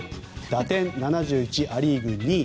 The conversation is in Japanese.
打点７１ア・リーグ２位。